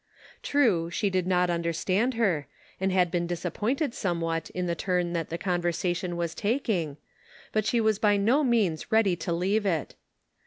True, she did not understand her, and 142 The Pocket Measure. had been disappointed somewhat in the turn that the conversation was taking, but she was by no means ready to leave it.